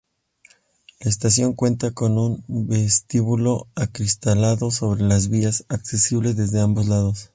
La estación cuenta con un vestíbulo acristalado sobre las vías, accesible desde ambos lados.